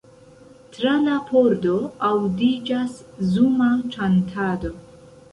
Tra la pordo aŭdiĝas zuma ĉantado.